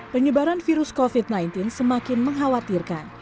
penyebaran virus covid sembilan belas semakin mengkhawatirkan